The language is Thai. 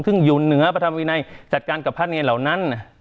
ซึ่งอยู่เหนือพระธรรมวินัยจัดการกับพระเนรเหล่านั้น